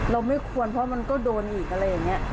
ไม่ควรเพราะมันก็โดนอีกอะไรอย่างนี้